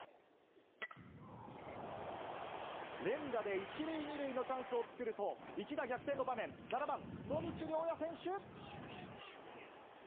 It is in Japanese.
連打で１塁２塁のチャンスを作ると、一打逆転の場面、７番のみちりょうや選手。